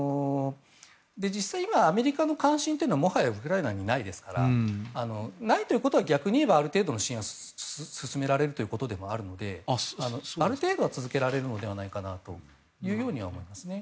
実際、アメリカの関心はもはやウクライナにないですからないということは逆に言えばある程度の支援が進められるということでもあるのである程度は続けられるのではないかなと思いますね。